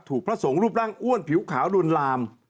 ถูกพระส่งรูปร่างอ้วนผิวขาวดนราม